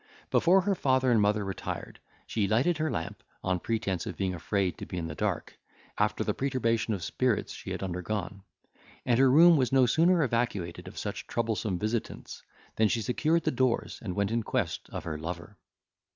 Before her father and mother retired, she lighted her lamp, on pretence of being afraid to be in the dark, after the perturbation of spirits she had undergone; and her room was no sooner evacuated of such troublesome visitants, than she secured the doors, and went in quest of her lover.